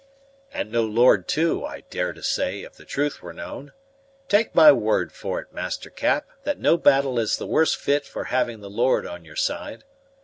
"And no Lord too, I dare to say, if the truth were known. Take my word for it, Master Cap, that no battle is the worse fi't for having the Lord on your side.